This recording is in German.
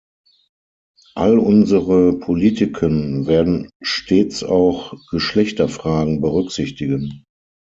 All unsere Politiken werden stets auch Geschlechterfragen berücksichtigen.